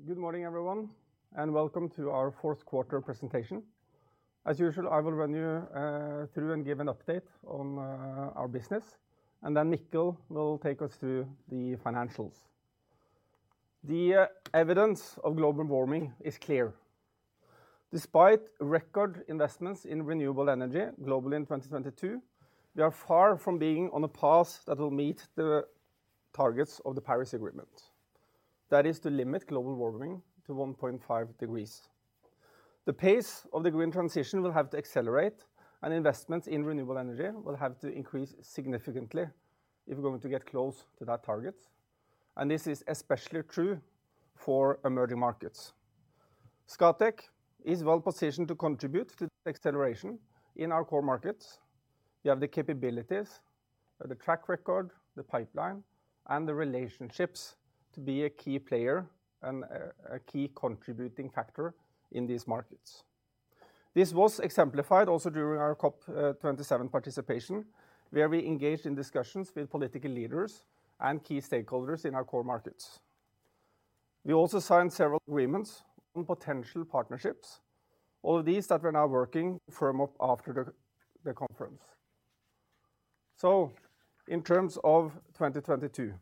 Okay. Good morning, everyone, and welcome to our fourth quarter presentation. As usual, I will run you through and give an update on our business, and then Mikkel will take us through the financials. The evidence of global warming is clear. Despite record investments in renewable energy globally in 2022, we are far from being on a path that will meet the targets of the Paris Agreement. That is to limit global warming to 1.5 degrees. The pace of the green transition will have to accelerate, and investments in renewable energy will have to increase significantly if we're going to get close to that target. This is especially true for emerging markets. Scatec is well positioned to contribute to the acceleration in our core markets. We have the capabilities, the track record, the pipeline, and the relationships to be a key player and a key contributing factor in these markets. This was exemplified also during our COP 27 participation, where we engaged in discussions with political leaders and key stakeholders in our core markets. We also signed several agreements on potential partnerships, all of these that we're now working to firm up after the conference. In terms of 2022,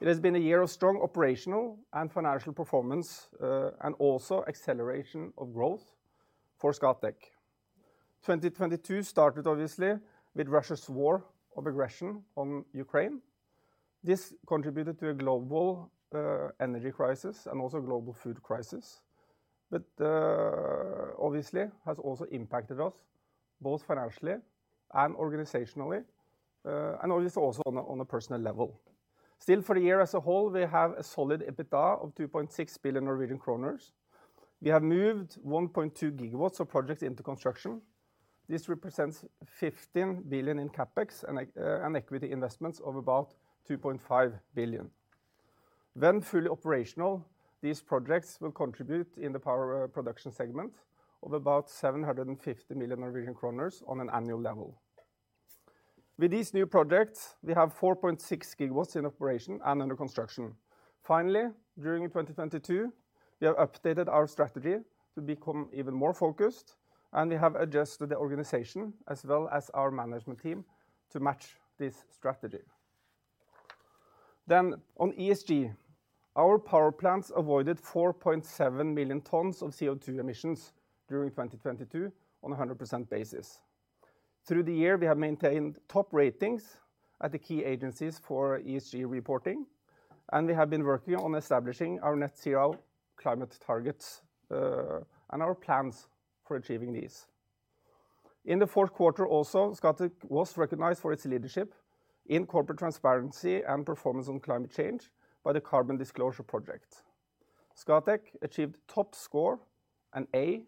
it has been a year of strong operational and financial performance, and also acceleration of growth for Scatec. 2022 started obviously with Russia's war of aggression on Ukraine. This contributed to a global energy crisis and also a global food crisis, but obviously has also impacted us both financially and organizationally, and obviously also on a personal level. For the year as a whole, we have a solid EBITDA of 2.6 billion Norwegian kroner. We have moved 1.2 gigawatts of projects into construction. This represents 15 billion in CapEx and equity investments of about 2.5 billion. When fully operational, these projects will contribute in the power production segment of about 750 million Norwegian kroner on an annual level. With these new projects, we have 4.6 gigawatts in operation and under construction. During 2022, we have updated our strategy to become even more focused, and we have adjusted the organization as well as our management team to match this strategy. On ESG, our power plants avoided 4.7 million tons of CO2 emissions during 2022 on a 100% basis. Through the year, we have maintained top ratings at the key agencies for ESG reporting, and we have been working on establishing our net zero climate targets and our plans for achieving these. In the fourth quarter also, Scatec was recognized for its leadership in corporate transparency and performance on climate change by the Carbon Disclosure Project. Scatec achieved top score and A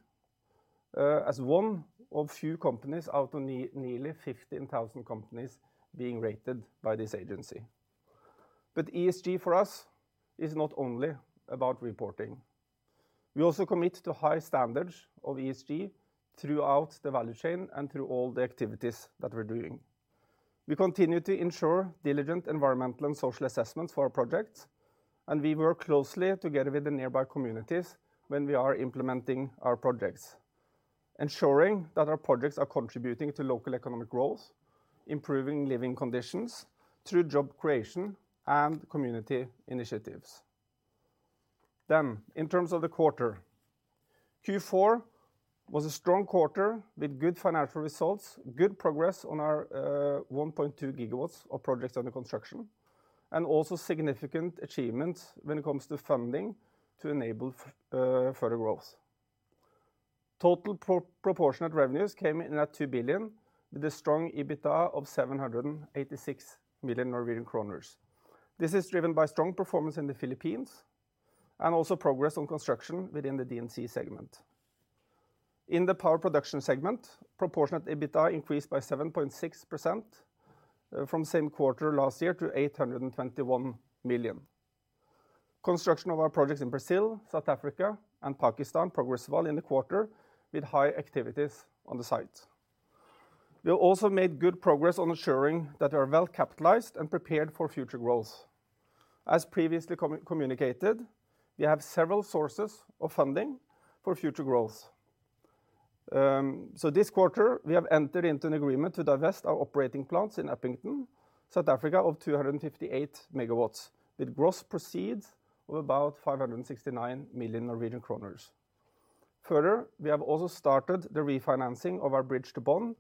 as one of few companies out of nearly 15,000 companies being rated by this agency. ESG for us is not only about reporting. We also commit to high standards of ESG throughout the value chain and through all the activities that we're doing. We continue to ensure diligent environmental and social assessments for our projects, and we work closely together with the nearby communities when we are implementing our projects, ensuring that our projects are contributing to local economic growth, improving living conditions through job creation and community initiatives. In terms of the quarter, Q4 was a strong quarter with good financial results, good progress on our 1.2 gigawatts of projects under construction, and also significant achievements when it comes to funding to enable further growth. Total proportionate revenues came in at 2 billion, with a strong EBITDA of 786 million Norwegian kroner. This is driven by strong performance in the Philippines and also progress on construction within the D&C segment. In the power production segment, proportionate EBITDA increased by 7.6% from same quarter last year to 821 million. Construction of our projects in Brazil, South Africa and Pakistan progressed well in the quarter with high activities on the site. We have also made good progress on ensuring that we are well capitalized and prepared for future growth. As previously communicated, we have several sources of funding for future growth. This quarter we have entered into an agreement to divest our operating plants in Upington, South Africa, of 258 megawatts, with gross proceeds of about 569 million Norwegian kroner. We have also started the refinancing of our bridge-to-bond,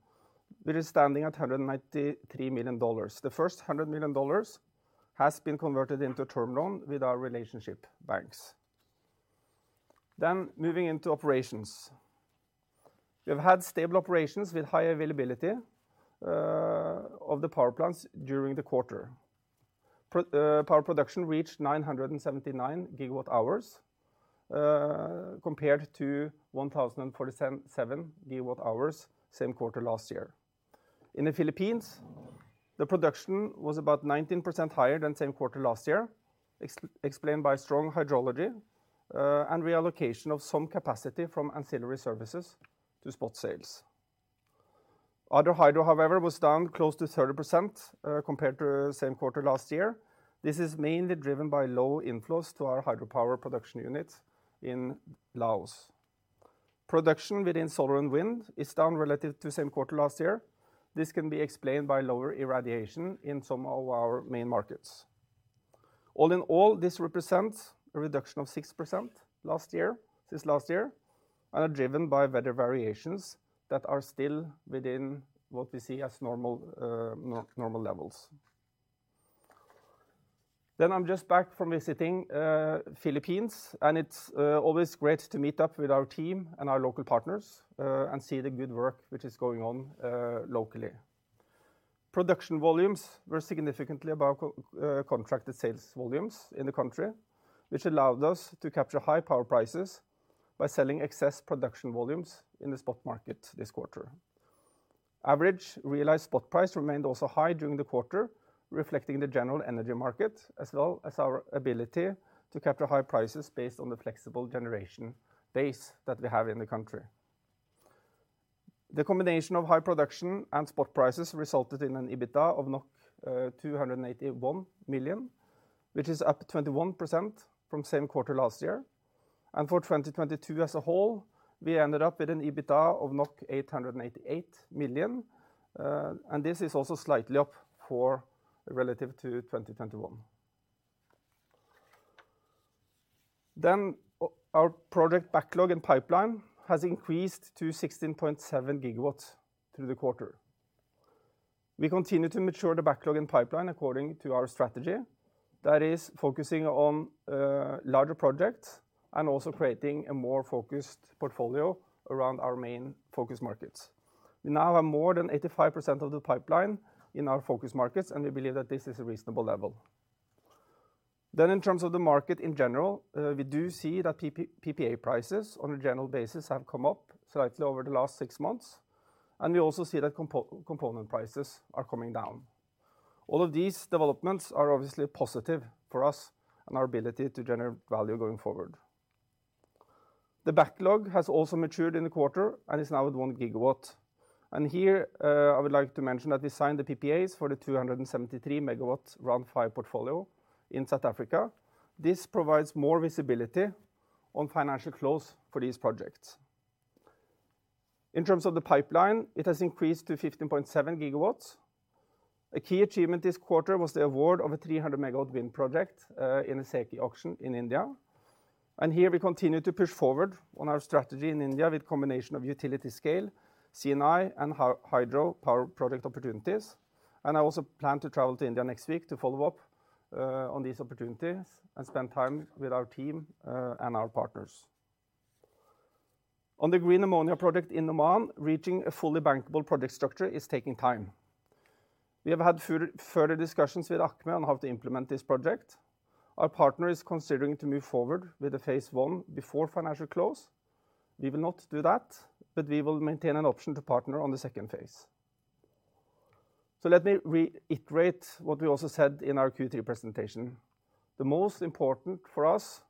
which is standing at $193 million. The first $100 million has been converted into term loan with our relationship banks. Moving into operations. We have had stable operations with high availability of the power plants during the quarter. Power production reached 979 gigawatt hours compared to 1,047 gigawatt hours same quarter last year. In the Philippines, the production was about 19% higher than same quarter last year, explained by strong hydrology and reallocation of some capacity from ancillary services to spot sales. Hydro, however, was down close to 30% compared to same quarter last year. This is mainly driven by low inflows to our hydropower production units in Laos. Production within solar and wind is down relative to same quarter last year. This can be explained by lower irradiation in some of our main markets. All in all, this represents a reduction of 6% last year, since last year, and are driven by weather variations that are still within what we see as normal levels. I'm just back from visiting Philippines, and it's always great to meet up with our team and our local partners and see the good work which is going on locally. Production volumes were significantly above co-contracted sales volumes in the country, which allowed us to capture high power prices by selling excess production volumes in the spot market this quarter. Average realized spot price remained also high during the quarter, reflecting the general energy market as well as our ability to capture high prices based on the flexible generation base that we have in the country. The combination of high production and spot prices resulted in an EBITDA of 281 million, which is up 21% from same quarter last year. For 2022 as a whole, we ended up with an EBITDA of 888 million. This is also slightly up relative to 2021. Our project backlog and pipeline has increased to 16.7 gigawatts through the quarter. We continue to mature the backlog and pipeline according to our strategy. That is focusing on larger projects and also creating a more focused portfolio around our main focus markets. We now have more than 85% of the pipeline in our focus markets, and we believe that this is a reasonable level. In terms of the market in general, we do see that PPA prices on a general basis have come up slightly over the last six months, and we also see that component prices are coming down. All of these developments are obviously positive for us and our ability to generate value going forward. The backlog has also matured in the quarter and is now at one gigawatt. Here, I would like to mention that we signed the PPAs for the 273 megawatt Round Five portfolio in South Africa. This provides more visibility on financial close for these projects. In terms of the pipeline, it has increased to 15.7 gigawatts. A key achievement this quarter was the award of a 300 megawatt wind project in the SECI auction in India. Here we continue to push forward on our strategy in India with combination of utility scale, C&I and hydro power project opportunities. I also plan to travel to India next week to follow up on these opportunities and spend time with our team and our partners. On the green ammonia project in Oman, reaching a fully bankable project structure is taking time. We have had further discussions with ACME on how to implement this project. Our partner is considering to move forward with the phase one before financial close. We will not do that, but we will maintain an option to partner on the second phase. Let me reiterate what we also said in our Q3 presentation. The most important for us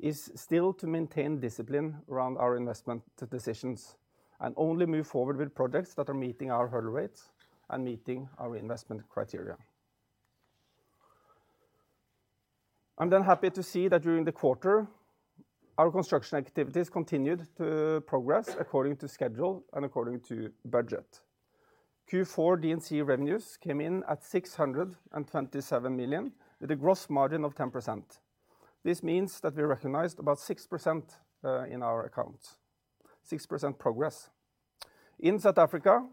is still to maintain discipline around our investment decisions and only move forward with projects that are meeting our hurdle rates and meeting our investment criteria. I'm happy to see that during the quarter, our construction activities continued to progress according to schedule and according to budget. Q4 D&C revenues came in at 627 million, with a gross margin of 10%. This means that we recognized about 6% in our accounts, 6% progress. In South Africa,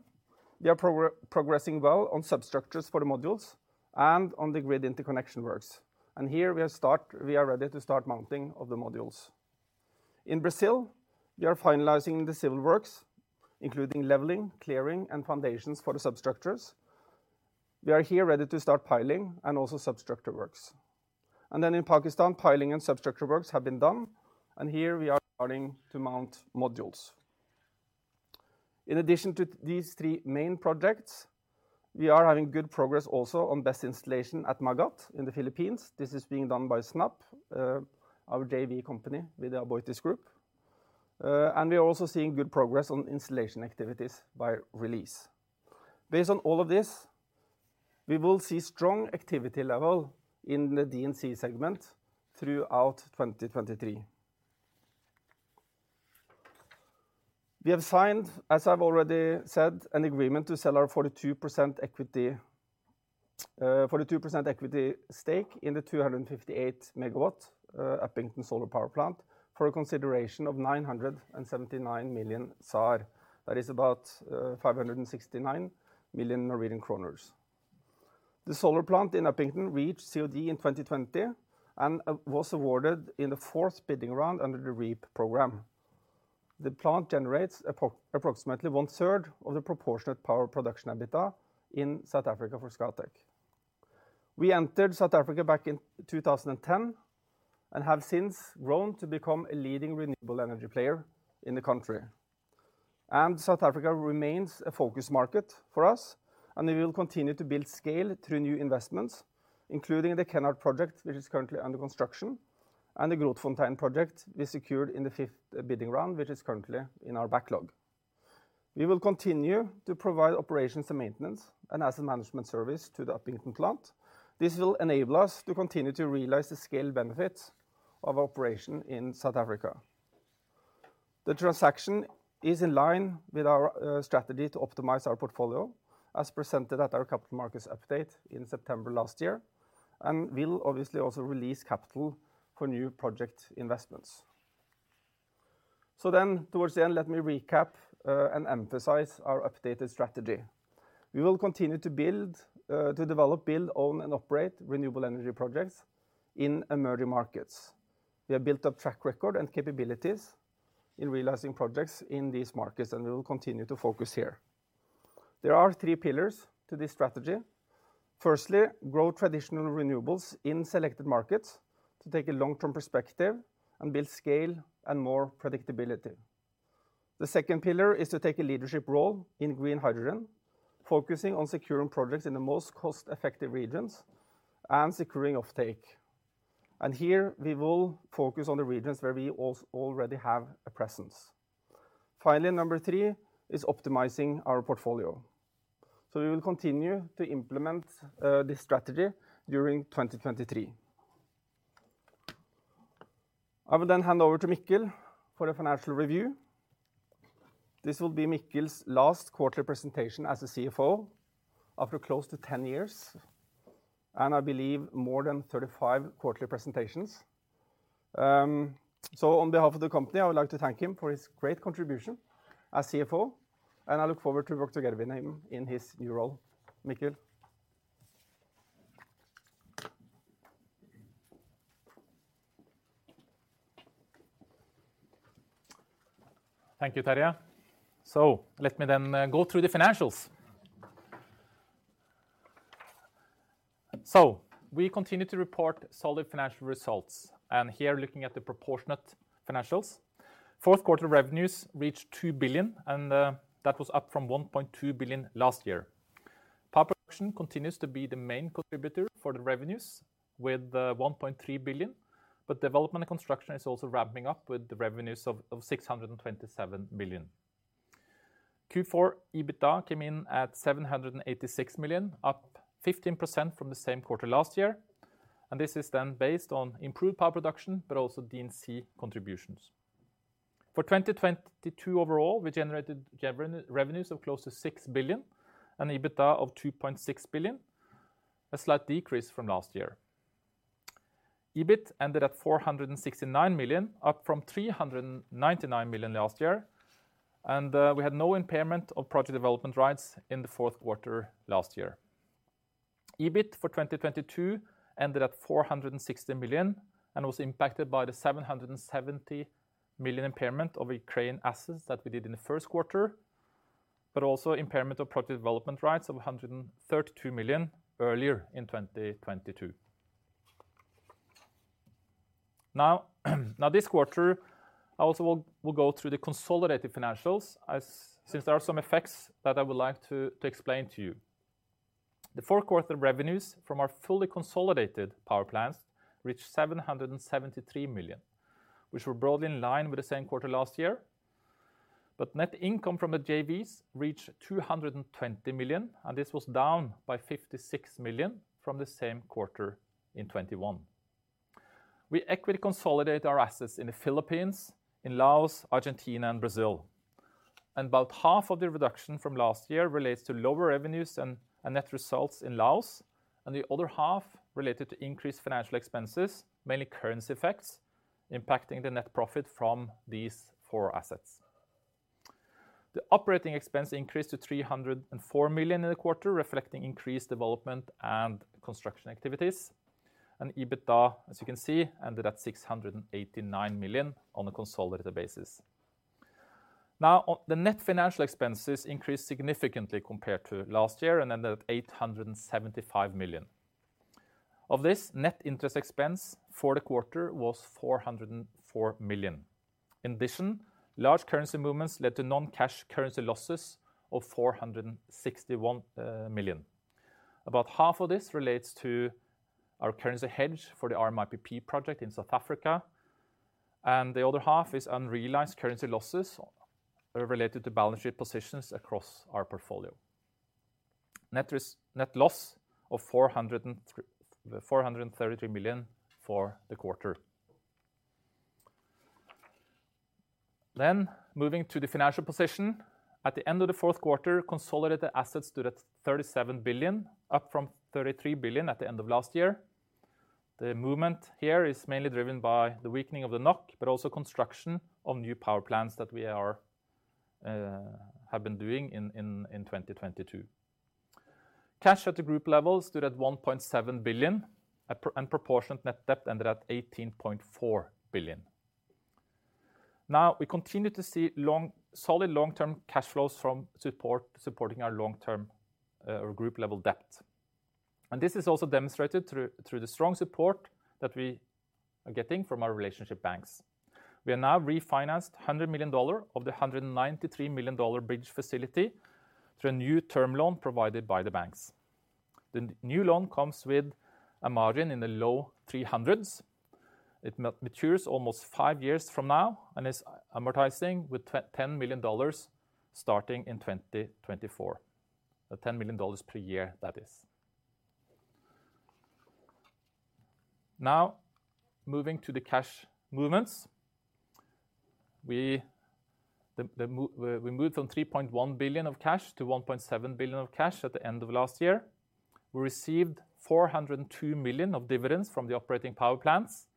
we are progressing well on substructures for the modules and on the grid interconnection works. Here we are ready to start mounting of the modules. In Brazil, we are finalizing the civil works, including leveling, clearing and foundations for the substructures. We are here ready to start piling and also substructure works. In Pakistan, piling and substructure works have been done. Here we are starting to mount modules. In addition to these three main projects, we are having good progress also on bus installation at Magat in the Philippines. This is being done by SNAP, our JV company with the Aboitiz Group. We are also seeing good progress on installation activities by Release. Based on all of this, we will see strong activity level in the D&C segment throughout 2023. We have signed, as I've already said, an agreement to sell our 42% equity stake in the 258 MW Upington Solar Power Plant for a consideration of ZAR 979 million. That is about 569 million Norwegian kroner. The solar plant in Upington reached COD in 2020 and was awarded in the fourth bidding round under the REIPPPP program. The plant generates approximately one-third of the proportionate power production EBITDA in South Africa for Scatec. We entered South Africa back in 2010 and have since grown to become a leading renewable energy player in the country. South Africa remains a focus market for us, and we will continue to build scale through new investments, including the Kenhardt project, which is currently under construction. The Grootfontein project we secured in the fifth bidding round, which is currently in our backlog. We will continue to provide operations and maintenance and asset management service to the Upington plant. This will enable us to continue to realize the scale benefits of operation in South Africa. The transaction is in line with our strategy to optimize our portfolio as presented at our capital markets update in September last year, and will obviously also release capital for new project investments. Towards the end, let me recap and emphasize our updated strategy. We will continue to develop, build, own, and operate renewable energy projects in emerging markets. We have built up track record and capabilities in realizing projects in these markets, and we will continue to focus here. There are three pillars to this strategy. Firstly, grow traditional renewables in selected markets to take a long-term perspective and build scale and more predictability. The second pillar is to take a leadership role in green hydrogen, focusing on securing projects in the most cost-effective regions and securing offtake. Here we will focus on the regions where we already have a presence. Finally, number 3 is optimizing our portfolio. We will continue to implement this strategy during 2023. I will hand over to Mikkel for the financial review. This will be Mikkel's last quarterly presentation as a CFO after close to 10 years, and I believe more than 35 quarterly presentations. On behalf of the company, I would like to thank him for his great contribution as CFO, and I look forward to work together with him in his new role. Mikkel. Thank you, Terje. Let me then go through the financials. We continue to report solid financial results, and here looking at the proportionate financials. Fourth quarter revenues reached 2 billion, that was up from 1.2 billion last year. Power production continues to be the main contributor for the revenues with 1.3 billion, development and construction is also ramping up with the revenues of 627 million. Q4 EBITDA came in at 786 million, up 15% from the same quarter last year, this is then based on improved power production but also D&C contributions. For 2022 overall, we generated revenues of close to 6 billion and EBITDA of 2.6 billion, a slight decrease from last year. EBIT ended at 469 million, up from 399 million last year. We had no impairment of project development rights in the fourth quarter last year. EBIT for 2022 ended at 460 million and was impacted by the 770 million impairment of Ukraine assets that we did in the first quarter. Also impairment of project development rights of 132 million earlier in 2022. This quarter, I also will go through the consolidated financials, as since there are some effects that I would like to explain to you. The fourth quarter revenues from our fully consolidated power plants reached 773 million, which were broadly in line with the same quarter last year. Net income from the JVs reached 220 million, and this was down by 56 million from the same quarter in 2021. We equity consolidate our assets in the Philippines, in Laos, Argentina, and Brazil. About half of the reduction from last year relates to lower revenues and net results in Laos, and the other half related to increased financial expenses, mainly currency effects, impacting the net profit from these four assets. The operating expense increased to 304 million in the quarter, reflecting increased development and construction activities. EBITDA, as you can see, ended at 689 million on a consolidated basis. The net financial expenses increased significantly compared to last year and ended at 875 million. Of this, net interest expense for the quarter was 404 million. In addition, large currency movements led to non-cash currency losses of 461 million. About half of this relates to our currency hedge for the RMIPPPP project in South Africa, and the other half is unrealized currency losses related to balance sheet positions across our portfolio. Net loss of 433 million for the quarter. Moving to the financial position. At the end of the fourth quarter, consolidated assets stood at 37 billion, up from 33 billion at the end of last year. The movement here is mainly driven by the weakening of the NOK, but also construction of new power plants that we have been doing in 2022. Cash at the group level stood at 1.7 billion, and proportionate net debt ended at 18.4 billion. Now we continue to see solid long-term cash flows from supporting our long-term group level debt. This is also demonstrated through the strong support that we are getting from our relationship banks. We are now refinanced $100 million of the $193 million bridge facility through a new term loan provided by the banks. The new loan comes with a margin in the low 300s. It matures almost 5 years from now and is amortizing with $10 million starting in 2024. $10 million per year, that is. Moving to the cash movements, we moved from $3.1 billion of cash to $1.7 billion of cash at the end of last year. We received $402 million of dividends from the operating power plants.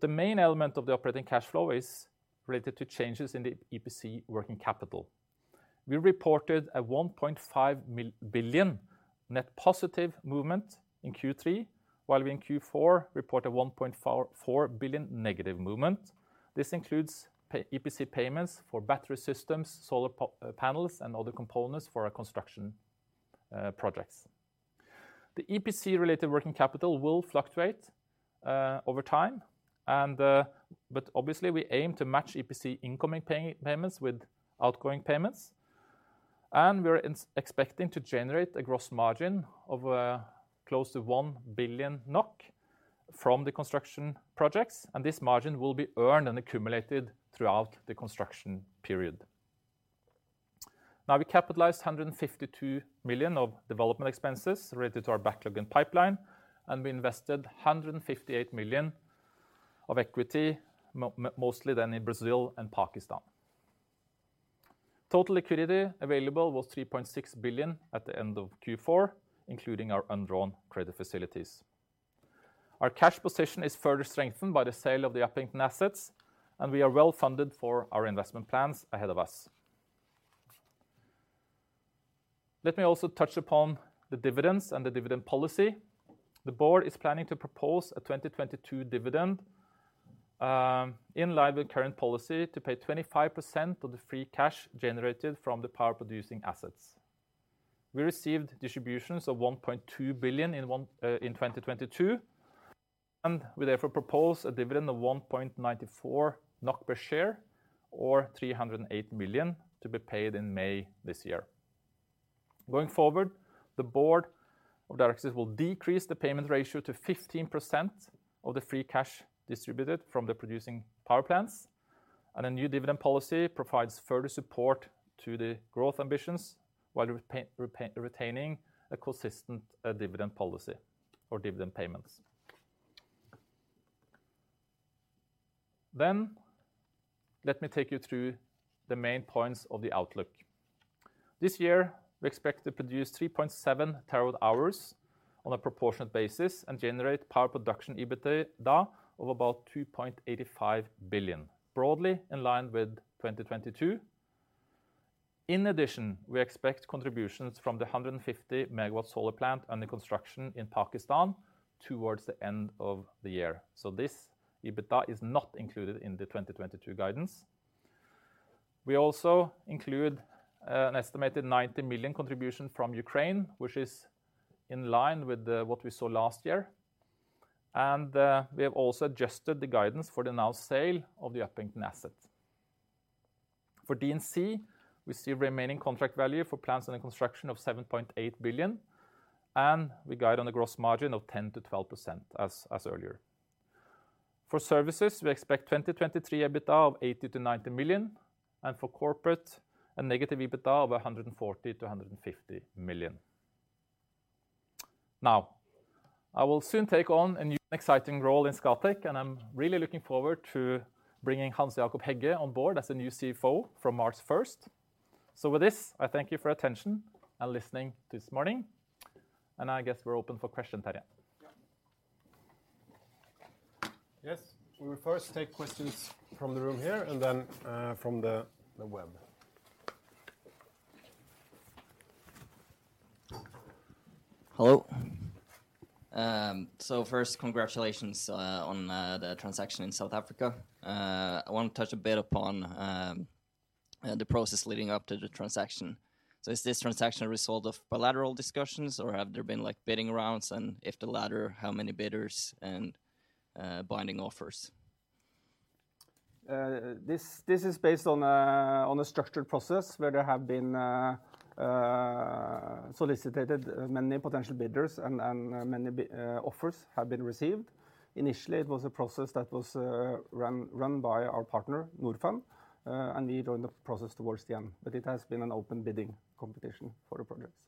The main element of the operating cash flow is related to changes in the EPC working capital. We reported a 1.5 billion net positive movement in Q3, while in Q4, reported 1.44 billion negative movement. This includes EPC payments for battery systems, solar panels, and other components for our construction projects. The EPC-related working capital will fluctuate over time, and obviously we aim to match EPC incoming payments with outgoing payments, and we're expecting to generate a gross margin of close to 1 billion NOK from the construction projects, and this margin will be earned and accumulated throughout the construction period. We capitalized 152 million of development expenses related to our backlog and pipeline, and we invested 158 million of equity, mostly then in Brazil and Pakistan. Total liquidity available was 3.6 billion at the end of Q4, including our undrawn credit facilities. Our cash position is further strengthened by the sale of the Upington assets, and we are well-funded for our investment plans ahead of us. Let me also touch upon the dividends and the dividend policy. The board is planning to propose a 2022 dividend in line with current policy to pay 25% of the free cash generated from the power-producing assets. We received distributions of 1.2 billion in 2022, and we therefore propose a dividend of 1.94 NOK per share or 308 million to be paid in May this year. Going forward, the board of directors will decrease the payment ratio to 15% of the free cash distributed from the producing power plants, and a new dividend policy provides further support to the growth ambitions while retaining a consistent dividend policy or dividend payments. Let me take you through the main points of the outlook. This year, we expect to produce 3.7 terawatt-hours on a proportionate basis and generate power production EBITDA of about 2.85 billion, broadly in line with 2022. In addition, we expect contributions from the 150 megawatt solar plant under construction in Pakistan towards the end of the year. This EBITDA is not included in the 2022 guidance. We also include an estimated 90 million contribution from Ukraine, which is in line with what we saw last year. We have also adjusted the guidance for the now sale of the Upington asset. For D&C, we see remaining contract value for plants under construction of 7.8 billion, and we guide on the gross margin of 10%-12% as earlier. For services, we expect 2023 EBITDA of 80 million-90 million, and for corporate, a negative EBITDA of 140 million-150 million. I will soon take on a new exciting role in Scatec, and I'm really looking forward to bringing Hans-Jacob Hegge on board as the new CFO from March 1. With this, I thank you for attention and listening this morning, and I guess we're open for questions, Terje. Yeah. Yes. We will first take questions from the room here and then, from the web. Hello. First, congratulations on the transaction in South Africa. I want to touch a bit upon the process leading up to the transaction. Is this transaction a result of bilateral discussions, or have there been, like, bidding rounds? If the latter, how many bidders and binding offers? This is based on a structured process where there have been solicited many potential bidders and many offers have been received. Initially, it was a process that was run by our partner, Norfund, and we joined the process towards the end. It has been an open bidding competition for the projects.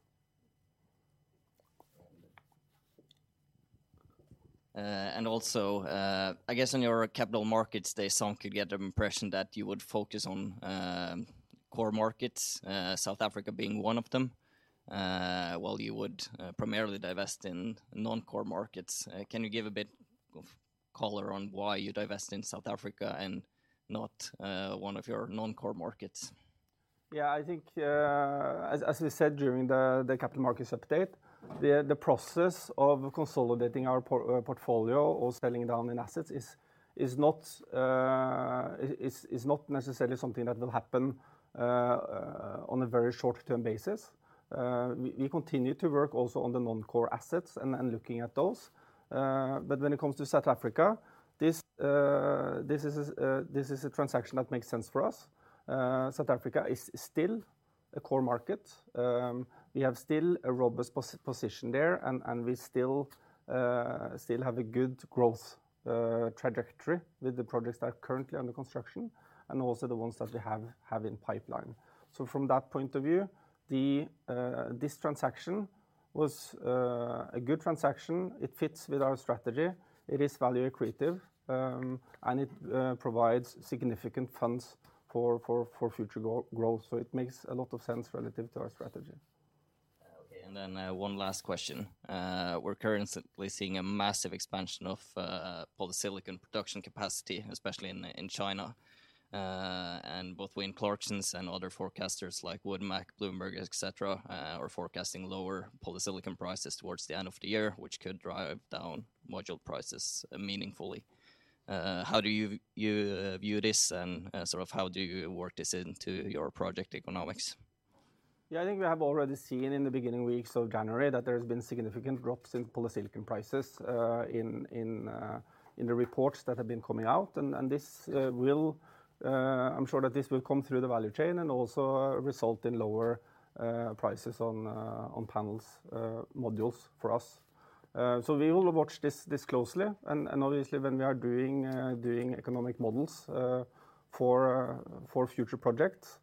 I guess on your capital markets day, some could get the impression that you would focus on, core markets, South Africa being one of them, while you would, primarily divest in non-core markets. Can you give a bit of color on why you divest in South Africa and not, one of your non-core markets? I think, as we said during the capital markets update, the process of consolidating our portfolio or selling down in assets is not necessarily something that will happen on a very short-term basis. We continue to work also on the non-core assets and looking at those. When it comes to South Africa, this is a transaction that makes sense for us. South Africa is still. A core market. We have still a robust position there and we still have a good growth trajectory with the projects that are currently under construction and also the ones that we have in pipeline. From that point of view, this transaction was a good transaction. It fits with our strategy. It is value accretive and it provides significant funds for future growth. It makes a lot of sense relative to our strategy. Okay. One last question. We're currently seeing a massive expansion of polysilicon production capacity, especially in China. Both Wacker and other forecasters like WoodMac, Bloomberg, et cetera, are forecasting lower polysilicon prices towards the end of the year, which could drive down module prices meaningfully. How do you view this and, sort of how do you work this into your project economics? Yeah. I think we have already seen in the beginning weeks of January that there has been significant drops in polysilicon prices, in the reports that have been coming out. This will, I'm sure that this will come through the value chain and also result in lower prices on panels, modules for us. We will watch this closely and obviously when we are doing economic models for future projects,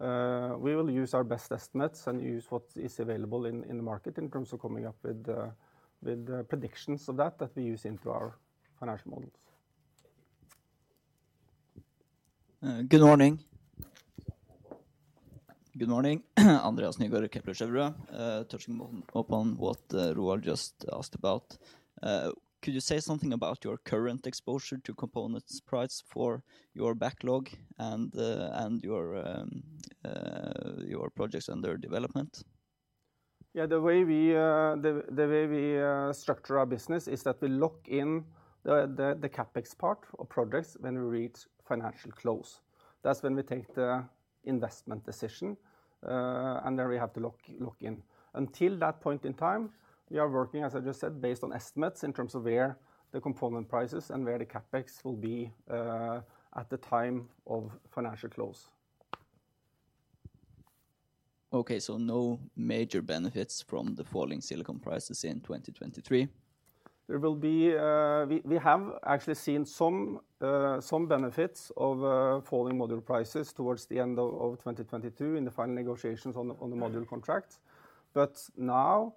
we will use our best estimates and use what is available in the market in terms of coming up with the predictions that we use into our financial models. Okay. Good morning. Good morning. Andreas Nygaard, Kepler Cheuvreux. Touching upon what Roar just asked about, could you say something about your current exposure to components price for your backlog and your projects under development? Yeah. The way we structure our business is that we lock in the CapEx part of projects when we reach financial close. That's when we take the investment decision. Then we have to lock in. Until that point in time, we are working, as I just said, based on estimates in terms of where the component prices and where the CapEx will be at the time of financial close. Okay. No major benefits from the falling silicon prices in 2023? We have actually seen some benefits of falling module prices towards the end of 2022 in the final negotiations on the module contracts. Now,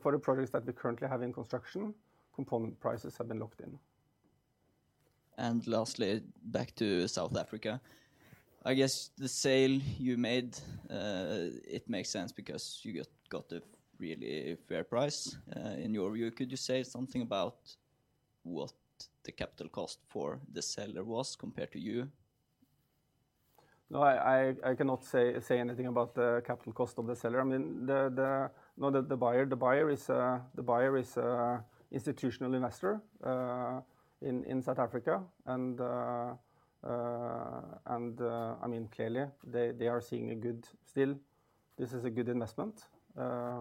for the projects that we currently have in construction, component prices have been locked in. Lastly, back to South Africa. I guess the sale you made, it makes sense because you got a really fair price in your view. Could you say something about what the capital cost for the seller was compared to you? No, I cannot say anything about the capital cost of the seller. I mean, the buyer is a institutional investor in South Africa. I mean, clearly they are seeing. Still this is a good investment. I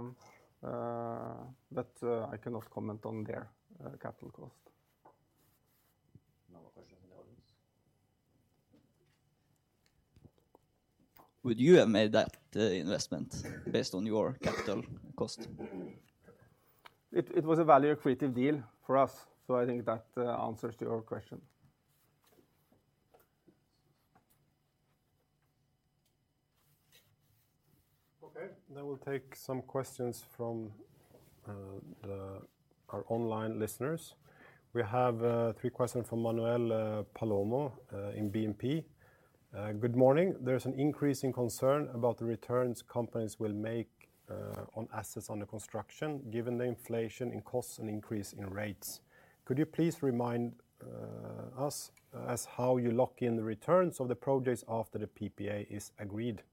cannot comment on their capital cost. No more questions in the audience. Would you have made that investment based on your capital cost? It was a value accretive deal for us. I think that answers to your question. Okay. Now we'll take some questions from our online listeners. We have three questions from Manuel Palomo in BNP. Good morning. There's an increasing concern about the returns companies will make on assets under construction given the inflation in costs and increase in rates. Could you please remind us as how you lock in the returns of the projects after the PPA is agreed?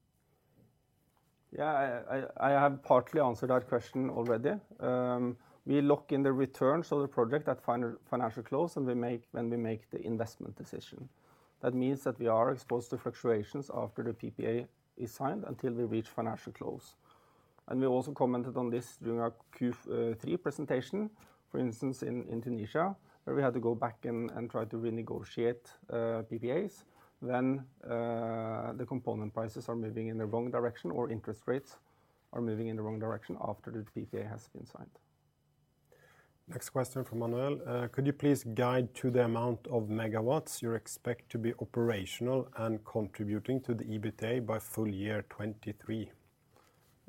I have partly answered that question already. We lock in the returns of the project at financial close, when we make the investment decision. That means that we are exposed to fluctuations after the PPA is signed until we reach financial close. We also commented on this during our Q3 presentation. For instance, in Indonesia, where we had to go back and try to renegotiate PPAs when the component prices are moving in the wrong direction or interest rates are moving in the wrong direction after the PPA has been signed. Next question from Manuel. Could you please guide to the amount of megawatts you expect to be operational and contributing to the EBITDA by full year 2023?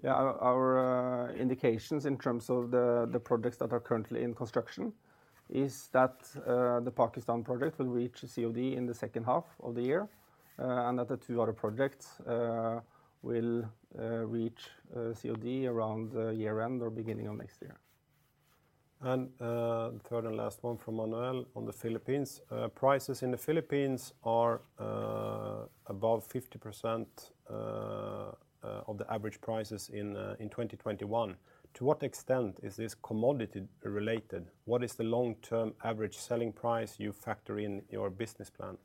Yeah. Our, our indications in terms of the projects that are currently in construction is that the Pakistan project will reach COD in the second half of the year, and that the two other projects will reach COD around year-end or beginning of next year. Third and last one from Manuel on the Philippines. Prices in the Philippines are above 50% of the average prices in 2021. To what extent is this commodity related? What is the long-term average selling price you factor in your business plan?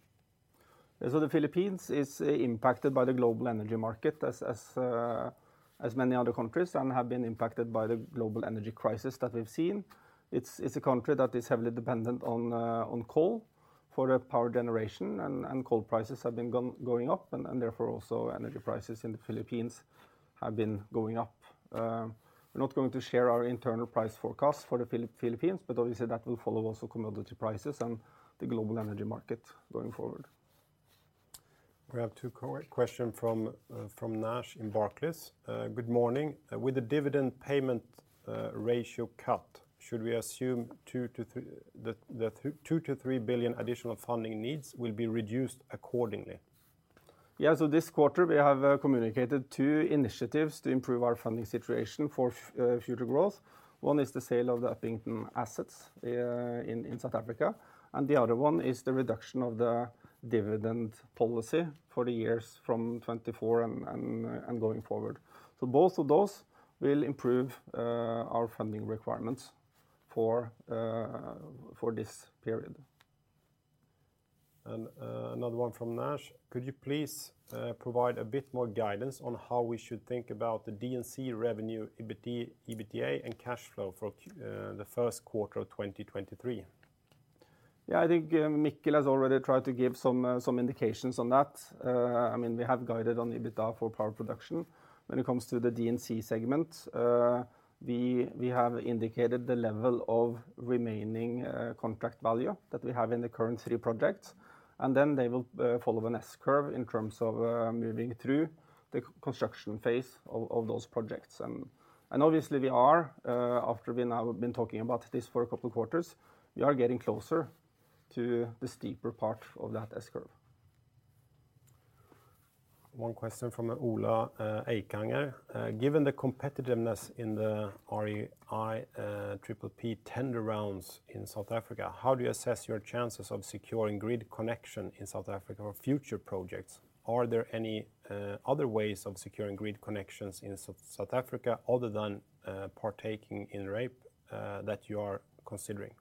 The Philippines is impacted by the global energy market as many other countries and have been impacted by the global energy crisis that we've seen. It's a country that is heavily dependent on coal for their power generation and coal prices have been going up and therefore also energy prices in the Philippines have been going up. We're not going to share our internal price forecast for the Philippines, but obviously that will follow also commodity prices and the global energy market going forward. We have two question from Nash in Barclays. "Good morning. With the dividend payment ratio cut, should we assume that the 2 billion-3 billion additional funding needs will be reduced accordingly? This quarter we have communicated two initiatives to improve our funding situation for future growth. One is the sale of the Upington assets in South Africa, and the other one is the reduction of the dividend policy for the years from 2024 and going forward. Both of those will improve our funding requirements for this period. Another one from Nash. "Could you please provide a bit more guidance on how we should think about the D&C revenue, EBIT, EBITDA and cash flow for the first quarter of 2023? Yeah. I think Mikkel has already tried to give some indications on that. I mean, we have guided on EBITDA for power production. When it comes to the D&C segment, we have indicated the level of remaining contract value that we have in the current three projects, and then they will follow an S-curve in terms of moving through the construction phase of those projects. Obviously we are, after we now have been talking about this for a couple quarters, we are getting closer to the steeper part of that S-curve. One question from Ola Ekanger. "Given the competitiveness in the REIPPPP tender rounds in South Africa, how do you assess your chances of securing grid connection in South Africa for future projects? Are there any other ways of securing grid connections in South Africa other than partaking in REIPPPP that you are considering?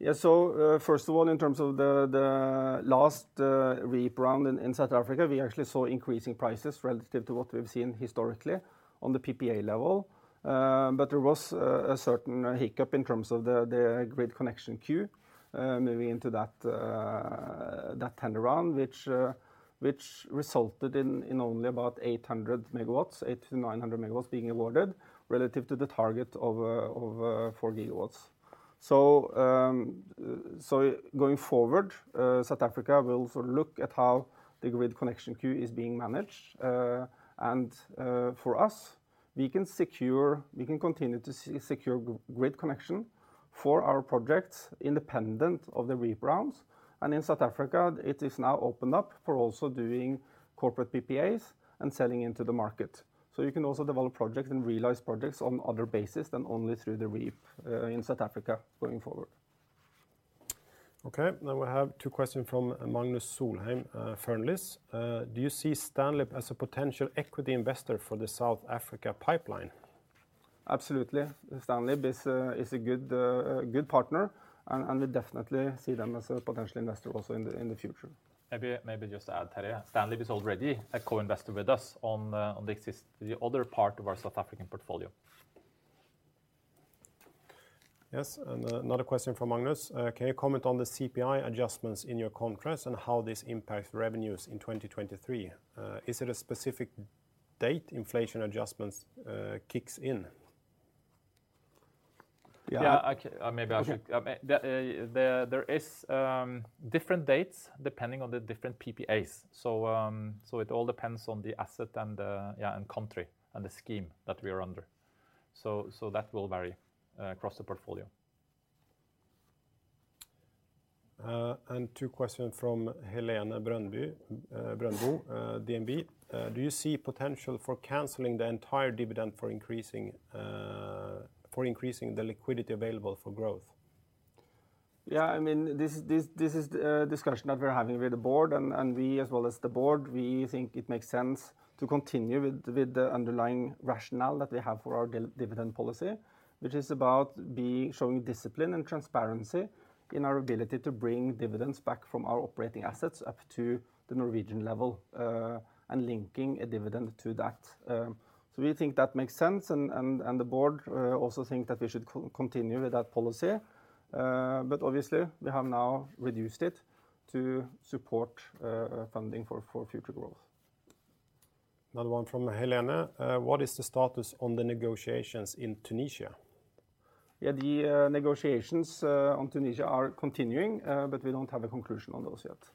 Yeah. First of all, in terms of the last REIPPPP round in South Africa, we actually saw increasing prices relative to what we've seen historically on the PPA level. There was a certain hiccup in terms of the grid connection queue moving into that tender round, which resulted in only about 800 megawatts, 800-900 megawatts being awarded relative to the target of 4 gigawatts. Going forward, South Africa will sort of look at how the grid connection queue is being managed. For us, we can continue to secure grid connection for our projects independent of the REIPPPP rounds. In South Africa it is now opened up for also doing corporate PPAs and selling into the market. You can also develop projects and realize projects on other basis than only through the REIPPPP in South Africa going forward. Okay. We have two questions from Magnus Solheim Fearnley. "Do you see STANLIB as a potential equity investor for the South Africa pipeline? Absolutely. STANLIB is a, is a good partner and we definitely see them as a potential investor also in the, in the future. Maybe just to add, Terje. STANLIB is already a co-investor with us on the other part of our South African portfolio. Yes. Another question from Magnus. "Can you comment on the CPI adjustments in your contracts and how this impacts revenues in 2023? Is it a specific date inflation adjustments kicks in? Yeah. Yeah. Maybe I should. Okay... the, there is different dates depending on the different PPAs. It all depends on the asset and, yeah, and country and the scheme that we are under. That will vary across the portfolio. 2 questions from Helene Bøhn Brønbo. "Do you see potential for canceling the entire dividend for increasing, for increasing the liquidity available for growth? Yeah, I mean, this is a discussion that we're having with the board and we as well as the board, we think it makes sense to continue with the underlying rationale that we have for our dividend policy, which is about showing discipline and transparency in our ability to bring dividends back from our operating assets up to the Norwegian level and linking a dividend to that. We think that makes sense and the board also think that we should continue with that policy. Obviously we have now reduced it to support funding for future growth. Another one from Helene. "What is the status on the negotiations in Tunisia? Yeah, the negotiations on Tunisia are continuing, but we don't have a conclusion on those yet.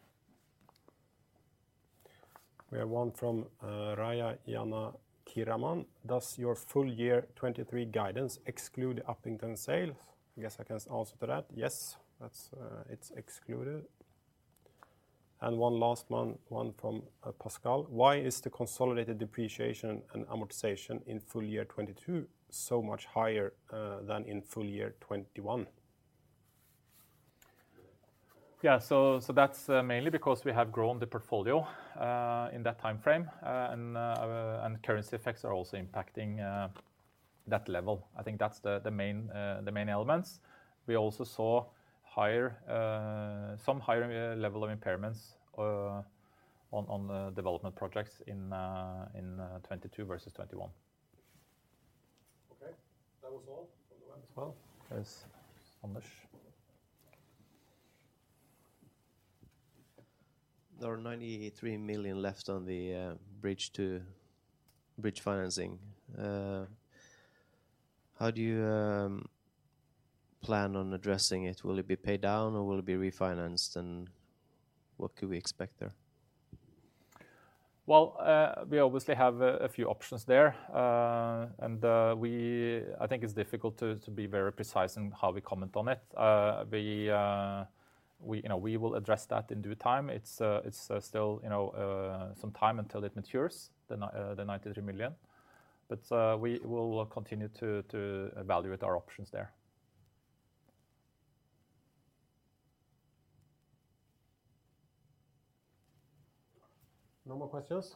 We have one from Rajan Vig. "Does your full year 2023 guidance exclude Upington sale?" I guess I can answer that. Yes. That's, it's excluded. One last one from Pascal. "Why is the consolidated depreciation and amortization in full year 2022 so much higher than in full year 2021? That's mainly because we have grown the portfolio in that timeframe. Currency effects are also impacting that level. I think that's the main elements. We also saw some higher level of impairments on the development projects in 2022 versus 2021. Okay. That was all from the web. Well, there's Anders. There are $93 million left on the bridge to bridge financing. How do you plan on addressing it? Will it be paid down or will it be refinanced and what could we expect there? Well, we obviously have a few options there. I think it's difficult to be very precise in how we comment on it. We, you know, we will address that in due time. It's still, you know, some time until it matures, the $93 million. We will continue to evaluate our options there. No more questions?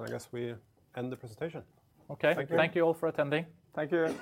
I guess we end the presentation. Okay. Thank you. Thank you all for attending. Thank you.